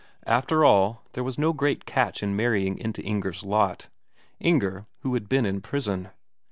After all, there was no great catch in marrying into Inger's lot Inger who had been in prison.